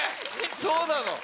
そうなの。